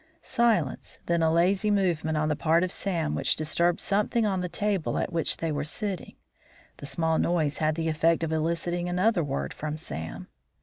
Silence, then a lazy movement on the part of Sam which disturbed something on the table at which they were sitting. The small noise had the effect of eliciting another word from Sam.